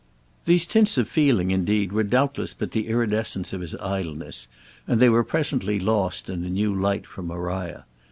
These tints of feeling indeed were doubtless but the iridescence of his idleness, and they were presently lost in a new light from Maria.